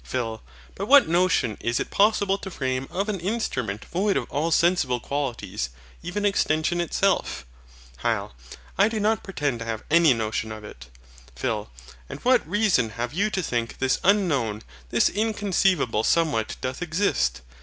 PHIL. But what notion is it possible to frame of an instrument void of all sensible qualities, even extension itself? HYL. I do not pretend to have any notion of it. PHIL. And what reason have you to think this unknown, this inconceivable Somewhat doth exist?